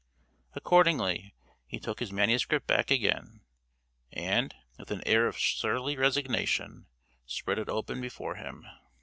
Accordingly, he took his manuscript back again, and, with an air of surly resignation, spread it open before him.